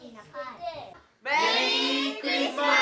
メリークリスマス！